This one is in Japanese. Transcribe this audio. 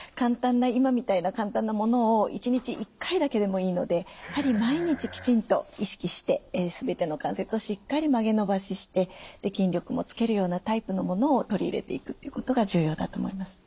今みたいな簡単なものを１日１回だけでもいいのでやはり毎日きちんと意識して全ての関節をしっかり曲げ伸ばしして筋力もつけるようなタイプのものを取り入れていくっていうことが重要だと思います。